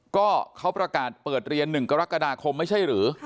ก็เขาประกาศเปิดเรียน๑กรกฎาคมไม่ใช่หรือ